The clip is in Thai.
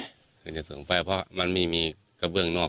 ถึงจะส่งไปเพราะมันไม่มีกระเบื้องนอก